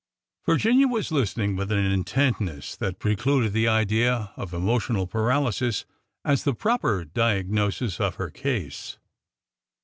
" Virginia was listening with an intentness that precluded the idea of emotional paralysis as the proper diagnosis of her case.